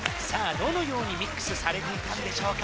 どのようにミックスされていたんでしょうか？